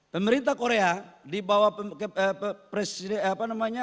pemerintah korea dibawah kpmu